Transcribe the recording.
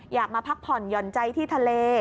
มาพักผ่อนหย่อนใจที่ทะเล